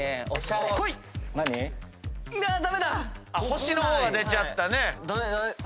星の方が出ちゃったね。